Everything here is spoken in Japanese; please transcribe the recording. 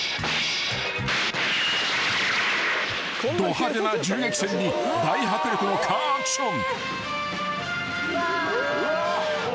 ［ど派手な銃撃戦に大迫力のカーアクション］